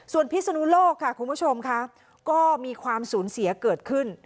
ส่วนพิศนุโลกค่ะคุณผู้ชมค่ะก็มีความสูญเสียเกิดขึ้น